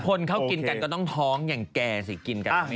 คนเขากินกันก็ต้องท้องอย่างแกสิกินกัน